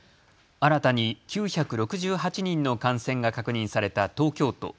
新たに９６８人の感染が確認された東京都。